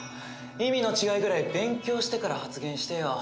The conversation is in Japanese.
意味の違いぐらい勉強してから発言してよ。